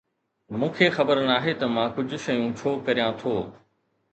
مون کي خبر ناهي ته مان ڪجهه شيون ڇو ڪريان ٿو